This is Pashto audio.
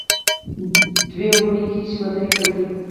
دوې اونۍ کېږي چې واده مې کړی دی.